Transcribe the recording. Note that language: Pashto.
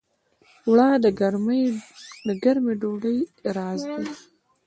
اوړه د ګرمې ډوډۍ راز دي